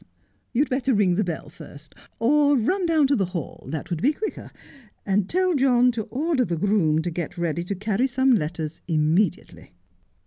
You'd better ring the bell first, or run down to the hall — that will be quicker — and tell John to order the groom to get ready to carry some letters immediately.'